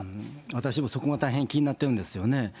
私もそこが大変気になってるんですよね。